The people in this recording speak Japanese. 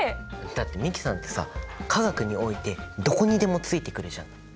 だって美樹さんってさ化学においてどこにでもついてくるじゃん。